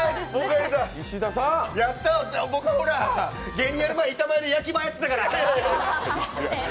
俺、芸人やる前板前で焼き場やってたから！